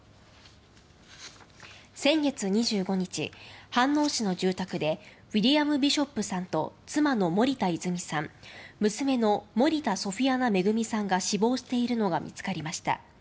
先月２５日、飯能市の住宅でウィリアム・ビショップさんと妻の森田泉さん娘の森田・ソフィアナ・恵さんが死亡しているのが見つかりました。